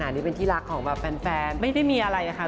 ขนาดนี้เป็นที่รักของแฟนไม่ได้มีอะไรค่ะ